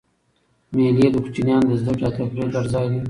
مېلې د کوچنيانو د زدهکړي او تفریح ګډ ځای دئ.